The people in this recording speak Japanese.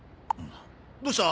どうした？